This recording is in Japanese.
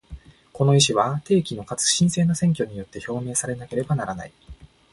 この意思は、定期のかつ真正な選挙によって表明されなければならない。